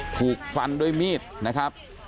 ถูกฟันด้วยมีดนะครับ